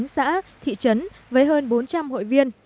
một mươi chín xã thị trấn với hơn bốn trăm linh hội viên